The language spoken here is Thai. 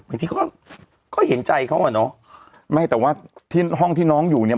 บางทีเขาก็เห็นใจเขาอ่ะเนอะไม่แต่ว่าที่ห้องที่น้องอยู่เนี่ย